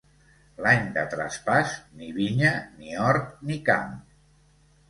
L'any de traspàs, ni vinya, ni hort, ni camp.